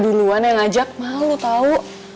duluan yang ajak malu tau